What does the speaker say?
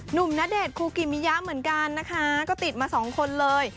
หนุ่มณเดชคูกิมิยะเหมือนกันนะคะก็ติดมา๒คนเลย